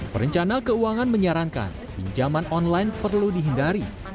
perencana keuangan menyarankan pinjaman online perlu dihindari